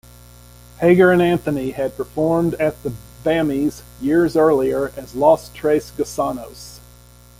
Hagar and Anthony had performed at the Bammies years earlier as Los Tres Gusanos.